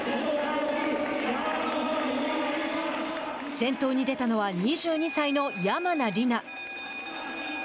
先頭に出たのは２２歳の山名里奈。